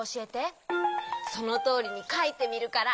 そのとおりにかいてみるから。